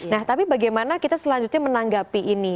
nah tapi bagaimana kita selanjutnya menanggapi ini